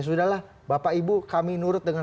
sudahlah bapak ibu kami nurut dengan